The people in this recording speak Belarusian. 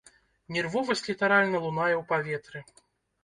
Нервовасць літаральна лунае ў паветры.